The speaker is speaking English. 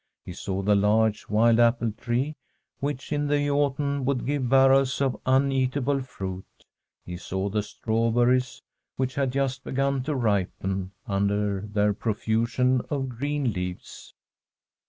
He saw the large wild apple tree, which in the autumn would give barrels of I 316] A STORY from HALSTANAS uneatable fruit; he saw the strawberries, which had just begun to ripen under their profusion of green leaves.